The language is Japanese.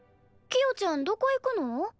キヨちゃんどこ行くの？